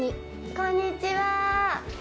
こんにちは。